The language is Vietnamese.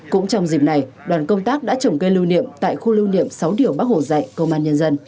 cũng trong dịp này đoàn công tác đã trồng cây lưu niệm tại khu lưu niệm sáu điều bác hồ dạy công an nhân dân